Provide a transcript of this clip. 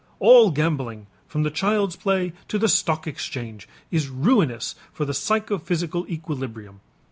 All gambling from the child's play to the stock exchange is ruinous for the psychophysical equilibrium.